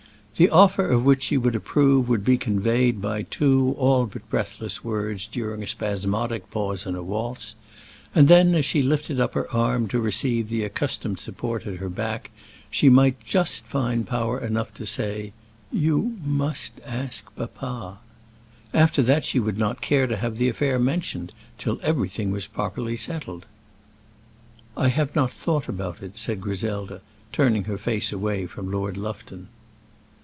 The offer of which she would approve would be conveyed by two all but breathless words during a spasmodic pause in a waltz; and then as she lifted up her arm to receive the accustomed support at her back, she might just find power enough to say, "You must ask papa." After that she would not care to have the affair mentioned till everything was properly settled. "I have not thought about it," said Griselda, turning her face away from Lord Lufton.